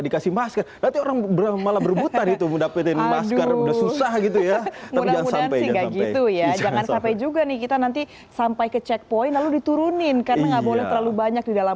akhirnya harus jalan kaki